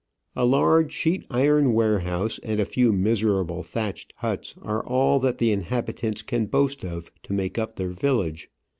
A large sheet iron warehouse and a few miserable thatched huts are all that the inhabitants can boast of to make up their village.